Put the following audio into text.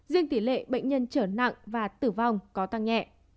riêng tỷ lệ bệnh nhân trở nặng và tử vong có tăng nhẹ